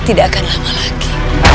tidak akan lama lagi